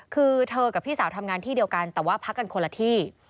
คือเธอกับพี่สาวทำงานที่เดียวกันแต่ว่าพักกันคนละที่